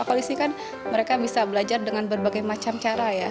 kalau di sini kan mereka bisa belajar dengan berbagai macam cara ya